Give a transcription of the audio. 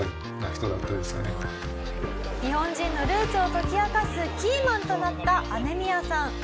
日本人のルーツを解き明かすキーマンとなったアメミヤさん。